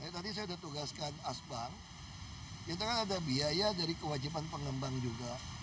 tadi saya sudah tugaskan asbang kita kan ada biaya dari kewajiban pengembang juga